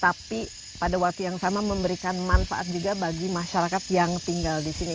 tapi pada waktu yang sama memberikan manfaat juga bagi masyarakat yang tinggal di sini